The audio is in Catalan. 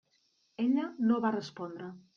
Ella no va respondre.